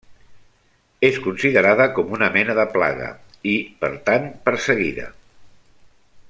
És considerada com una mena de plaga i, per tant, perseguida.